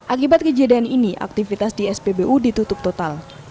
akibat kejadian ini aktivitas di spbu ditutup total